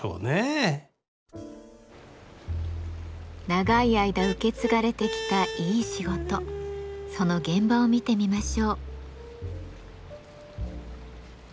長い間受け継がれてきたいい仕事その現場を見てみましょう。